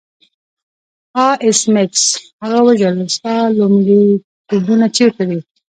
آه ایس میکس هغه وژړل ستا لومړیتوبونه چیرته دي